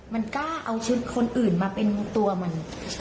มันกล้าเอาชุดคนอื่นมาเป็นตัวมัน